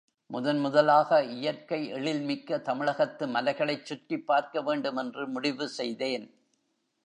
முதன் முதலாக இயற்கை எழில்மிக்க தமிழகத்து மலைகளைச் சுற்றிப் பார்க்கவேண்டும் என்று முடிவுசெய்தேன்.